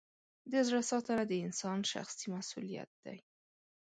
د زړه ساتنه د انسان شخصي مسؤلیت دی.